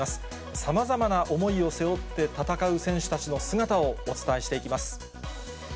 さまざまな思いを背負って戦う選手たちの姿をお伝えしていきます。